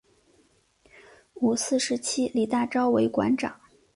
五四时期李大钊为馆长。